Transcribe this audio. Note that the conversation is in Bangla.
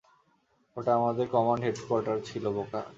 ওটা আমাদের কমান্ড হেডকোয়ার্টার ছিল, বোকা!